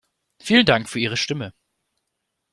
Vielen Dank für Ihre Stimme.